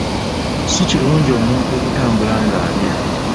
Si kirungi omuntu okutambula nga alya.